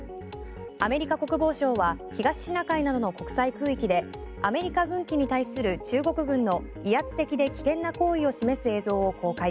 アメリカ国防省は東シナ海などの国際空域でアメリカ軍機に対する中国軍の威圧的で危険な行為を示す映像を公開。